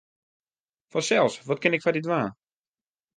Fansels, wat kin ik foar dy dwaan?